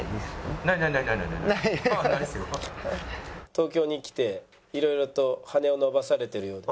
「東京に来て色々と羽を伸ばされているようで」。